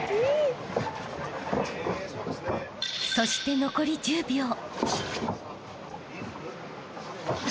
［そして残り１０秒］